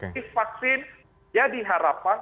tapi vaksin ya diharapkan